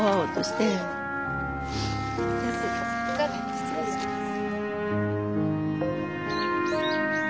失礼します。